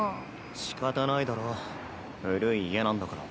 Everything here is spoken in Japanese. しかたないだろ古い家なんだから。